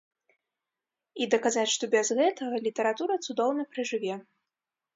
І даказаць, што без гэтага літаратура цудоўна пражыве.